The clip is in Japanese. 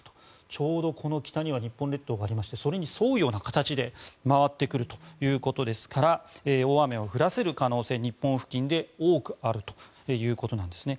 ちょうどこの北には日本列島がありましてそれに沿うような形で回ってくるということですから大雨を降らせる可能性が日本付近で多くあるということなんですね。